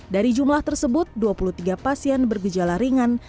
dari jumlah tersebut dua puluh tiga pasien bergejala ringan